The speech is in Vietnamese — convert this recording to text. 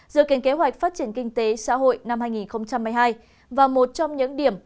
dự kiến kế hoạch phát triển kinh tế xã hội năm hai nghìn hai mươi hai và một trong những điểm